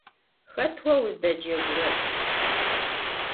Xet vo vuzdecegurer?